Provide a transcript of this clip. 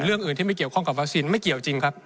เรื่องอื่นที่ไม่เกี่ยวข้องกับวัคซีนไม่เกี่ยวจริงครับ